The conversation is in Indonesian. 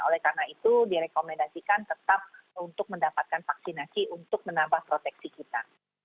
oleh karena itu direkomendasikan tetap untuk mendapatkan vaksinasi untuk menambah proteksi kita